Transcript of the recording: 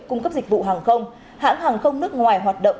cung cấp dịch vụ hàng không hãng hàng không nước ngoài hoạt động